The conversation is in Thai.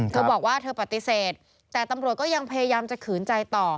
เธอบอกว่าเธอปฏิเสธแต่ตำรวจก็ยังพยายามจะขืนใจต่อ